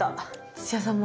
土屋さんも。